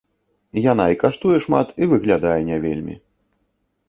Яна і каштуе шмат, і выглядае не вельмі.